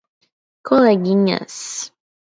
Coleguinhas